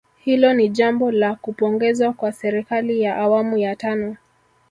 Hilo ni jambo la kupongezwa kwa serikali ya awamu ya tano